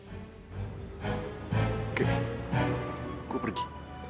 oke gua pergi